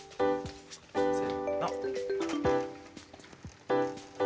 せの。